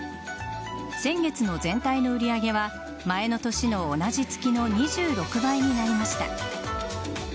先月の全体の売り上げは前の年の同じ月の２６倍になりました。